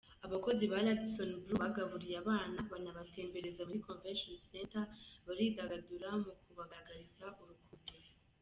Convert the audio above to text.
Abakozi ba Radisson Blue bagaburiye abana, banabatembereza muri Convention Center, baridagadurana mu kubagaragariza urukundo.